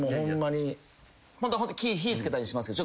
ホントはきい火つけたりしますけど。